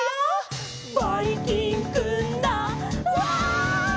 「ばいきんくんだうわァー！」